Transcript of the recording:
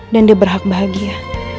dan dia berhak bahagia